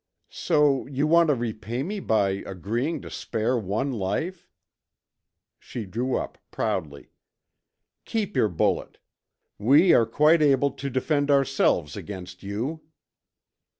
"So you want to repay me by agreeing to spare one life." She drew up proudly. "Keep your bullet. We are quite able to defend ourselves against you."